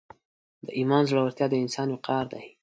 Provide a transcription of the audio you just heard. د ایمان زړورتیا د انسان وقار دی.